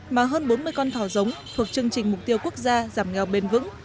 mà hơn bốn mươi con thỏ giống thuộc chương trình mục tiêu quốc gia giảm nghèo bền vững